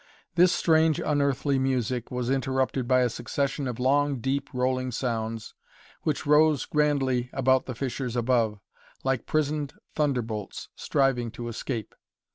This strange, unearthly music was interrupted by a succession of long, deep rolling sounds, which rose grandly about the fissures above, like prisoned thunderbolts striving to escape.